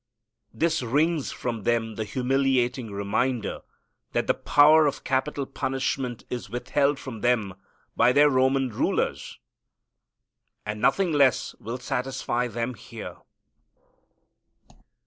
This wrings from them the humiliating reminder that the power of capital punishment is withheld from them by their Roman rulers, and nothing less will satisfy them here.